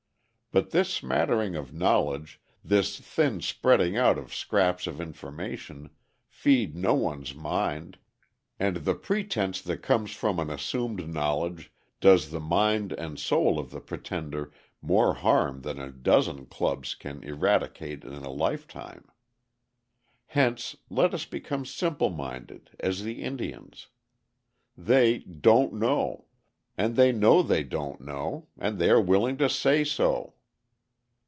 But this smattering of knowledge, this thin spreading out of scraps of information, feed no one's mind, and the pretense that comes from an assumed knowledge does the mind and soul of the pretender more harm than a dozen clubs can eradicate in a lifetime. Hence, let us become simple minded, as the Indians. They "don't know," and they know they don't know, and they are willing to say so.